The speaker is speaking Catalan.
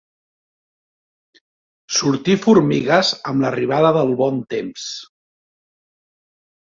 Sortir formigues amb l'arribada del bon temps.